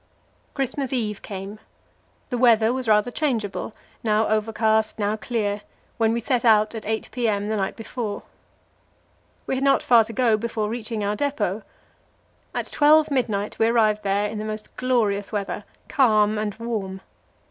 Christmas Eve came; the weather was rather changeable now overcast, now clear when we set out at 8 p.m. the night before. We had not far to go before reaching our depot. At 12 midnight we arrived there in the most glorious weather, calm and warm.